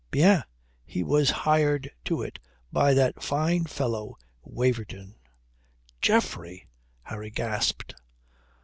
Bien he was hired to it by that fine fellow Waverton." "Geoffrey!" Harry gasped.